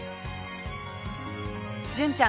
純ちゃん